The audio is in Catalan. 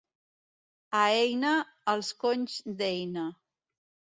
A Eina, els conys d'Eina.